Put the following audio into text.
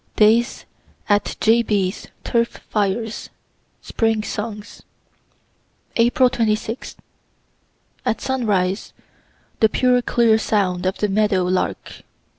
DAYS AT J. B.'S TURF FIRES SPRING SONGS April 26. At sunrise, the pure clear sound of the meadow lark.